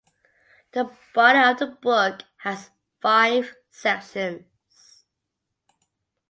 The body of the book has five sections.